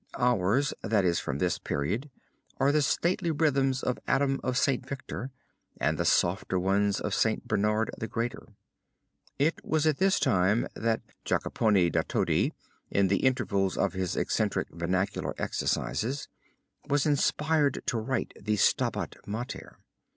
Ours (that is, from this period) are the stately rhythms of Adam of St. Victor, and the softer ones of St. Bernard the Greater. It was at this time that Jacopone da Todi, in the intervals of his eccentric vernacular exercises, was inspired to write the Stabat Mater.